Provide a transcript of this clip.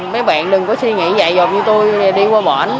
mấy bạn đừng có suy nghĩ dạy dọc như tôi đi qua bển